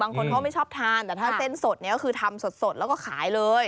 คนเขาไม่ชอบทานแต่ถ้าเส้นสดเนี่ยก็คือทำสดแล้วก็ขายเลย